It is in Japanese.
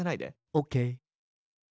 ＯＫ。